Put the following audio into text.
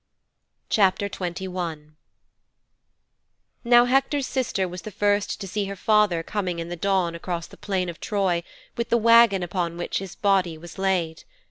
XXI Now Hector's sister was the first to see her father coming in the dawn across the plain of Troy with the wagon upon which his body was laid.